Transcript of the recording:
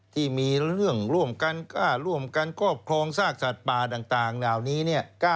ที่มีเรื่องร่วมกันกล้าร่วมกันครอบครองซากสัตว์ป่าต่างเหล่านี้